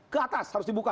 ke atas harus dibuka